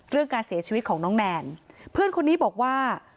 การเสียชีวิตของน้องแนนเพื่อนคนนี้บอกว่า